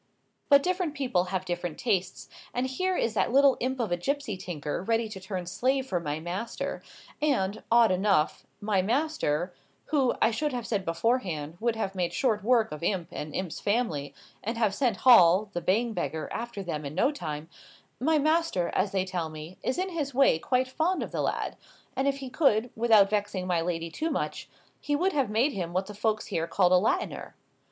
But different people have different tastes, and here is that little imp of a gipsy tinker ready to turn slave for my master; and, odd enough, my master,—who, I should have said beforehand, would have made short work of imp, and imp's family, and have sent Hall, the Bang beggar, after them in no time—my master, as they tell me, is in his way quite fond of the lad, and if he could, without vexing my lady too much, he would have made him what the folks here call a Latiner.